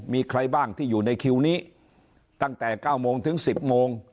มีใครบ้างที่อยู่ในคิวนี้ตั้งแต่๙โมงถึง๑๐โมง